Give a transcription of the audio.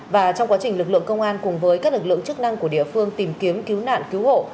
và trong quá trình lực lượng công an cùng với các lực lượng chức năng của địa phương tìm kiếm cứu nạn cứu hộ